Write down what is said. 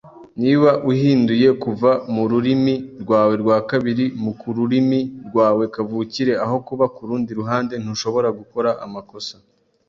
Niba uhinduye kuva mururimi rwawe rwa kabiri mukururimi rwawe kavukire, aho kuba kurundi ruhande, ntushobora gukora amakosa.